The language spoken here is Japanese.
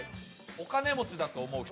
お金持ちだと思う人。